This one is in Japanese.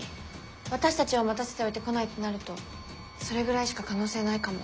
私たちを待たせておいて来ないってなるとそれぐらいしか可能性ないかも。